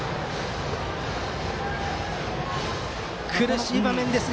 苦しい場面ですが。